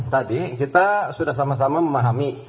tadi kita sudah sama sama memahami